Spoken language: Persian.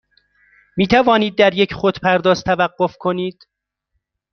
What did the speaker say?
می توانید در یک خودپرداز توقف کنید؟